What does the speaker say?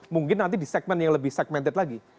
mungkin nanti di segmen yang lebih segmented lagi